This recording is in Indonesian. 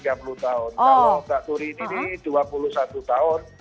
kalau mbak kuri ini dua puluh satu tahun